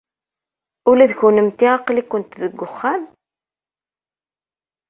Ula d kennemti aql-ikent deg uxxam?